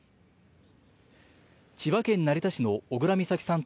千葉県成田市の小倉美咲さん